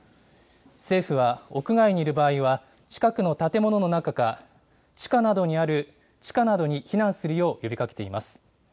政府は屋外にいる場合は、近くの建物の中か、地下などに避難するよう呼びかけています。